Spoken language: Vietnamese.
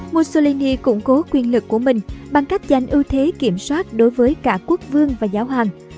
mussolini củng cố quyền lực của mình bằng cách giành ưu thế kiểm soát đối với cả quốc vương và giáo hoàng